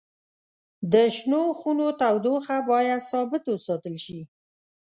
د شنو خونو تودوخه باید ثابت وساتل شي.